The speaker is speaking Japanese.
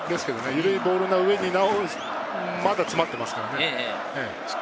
緩いボールな上に、まだ詰まっていますからね。